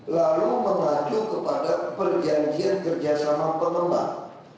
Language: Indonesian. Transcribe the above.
lalu mengacu kepada perjanjian kerjasama pengembang